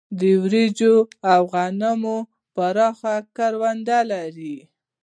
د وريجو او غنمو پراخې کروندې لري.